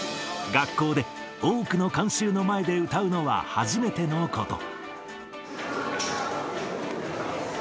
学校で多くの観衆の前で歌うのは初めてのこと。